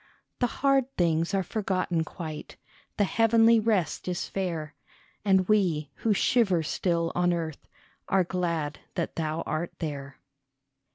The hard things are forgotten quite, The heavenly rest is fair, And we who shiver still on earth Are glad that thou art there.